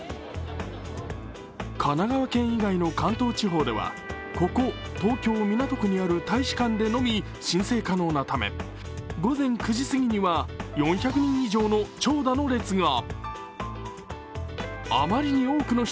神奈川県以外の関東地方ではここ東京・港区にある大使館でのみ申請可能なため午前９時過ぎには４００人以上の長蛇の列が。